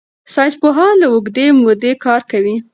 ساینسپوهان له اوږدې مودې کار کوي.